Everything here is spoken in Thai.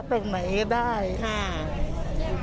คนที่ไม่เข้าแถวจะไม่ได้นะครับ